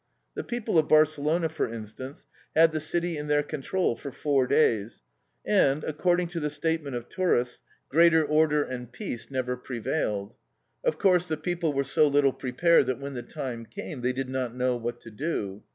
The people of Barcelona, for instance, had the city in their control for four days, and, according to the statement of tourists, greater order and peace never prevailed. Of course, the people were so little prepared that when the time came, they did not know what to do.